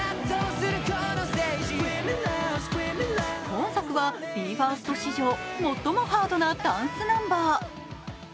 今作はＢＥ：ＦＩＲＳＴ史上最もハードなダンスナンバー。